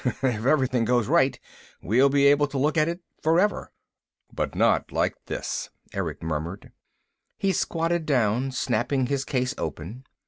"If everything goes right we'll be able to look at it forever." "But not like this," Erick murmured. He squatted down, snapping his case open.